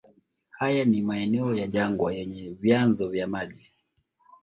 Haya ni maeneo ya jangwa yenye vyanzo vya maji.